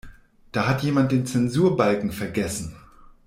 Da hat jemand den Zensurbalken vergessen.